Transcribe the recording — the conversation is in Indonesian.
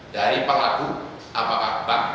dari pengadu apakah bank